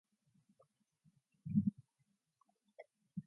A live video was released in November.